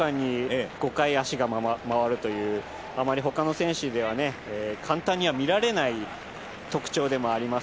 １秒間に５回足が回るというあまり他の選手では簡単には見られない特徴でもあります。